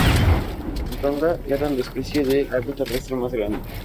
En Tonga, era la especie de ave terrestre más grande.